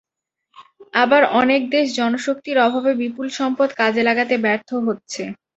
আবার অনেক দেশ জনশক্তির অভাবে বিপুল সম্পদ কাজে লাগাতে ব্যর্থ হচ্ছে।